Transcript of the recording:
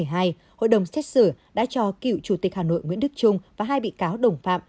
hội đồng xét xử đã cho cựu chủ tịch hà nội nguyễn đức trung và hai bị cáo đồng phạm